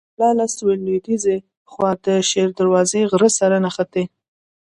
کلا له سویل لویديځې خوا د شیر دروازې غر سره نښتې.